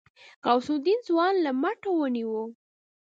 غوث الدين ځوان له مټه ونيو.